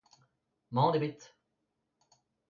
Mann ebet.